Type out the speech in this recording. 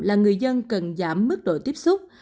là người dân cần giảm mức độ tiếp xúc